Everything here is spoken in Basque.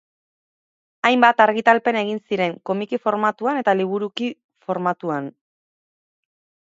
Hainbat argitalpen egin ziren, komiki formatuan eta liburuki formatuan.